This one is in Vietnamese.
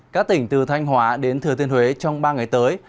các tỉnh từ thanh hóa đến thừa tiên huế trong ba ngày tới